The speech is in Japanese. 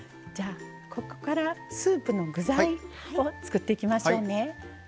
ここからスープの具材を作っていきましょうね。